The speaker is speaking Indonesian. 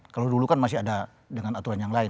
kalau dulu kan masih ada dengan aturan yang lain